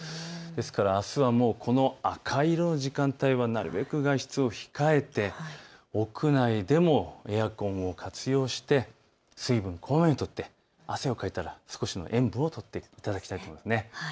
ですからあすは赤色の時間帯はなるべく外出を控えて屋内でもエアコンを活用して水分をこまめにとって汗をかいたら少しの塩分をとっていただきたいと思います。